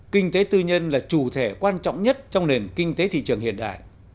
kinh tế tư nhân là chủ thể quan trọng nhất trong nền kinh tế thị trường hiện đại